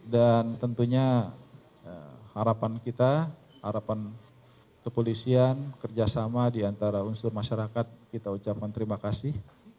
dan tentunya harapan kita harapan kepolisian kerjasama di antara unsur masyarakat kita ucapkan terima kasih